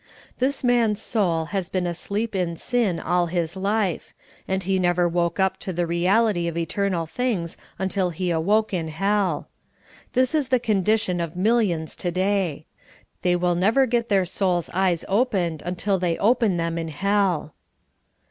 This man's soul had been asleep in sin all his life, and he never woke up to the reality of eternal things until he awoke in hell. This is the condition of millions to day. They will never get their souls' eyes opened un til they open them in hell.